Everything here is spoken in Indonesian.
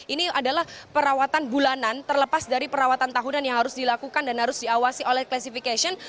ini adalah perawatan bulanan terlepas dari perawatan tahunan yang harus dilakukan dan harus diawasi oleh classification